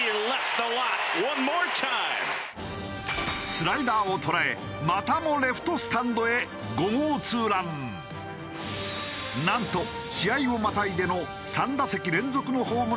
スライダーを捉えまたもレフトスタンドへなんと試合をまたいでの３打席連続のホームランをマーク。